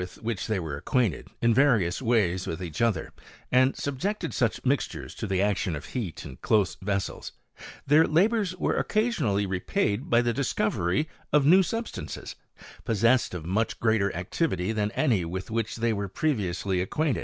with which they w • Afem. Paris, 1722, p. 61. •cqntiinted, in t^ohs ways with each other, and sub jected such mixtures to the action of heat in close TCflsels, their labours were occasionally repaid by the discovery of new substances, possessed of much ^ater ftctivity than any with which they were previously Bcquain^.